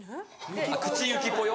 口ゆきぽよ？